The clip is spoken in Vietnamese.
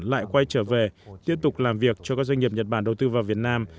lại quay trở về tiếp tục làm việc cho các doanh nghiệp nhật bản đầu tư vào việt nam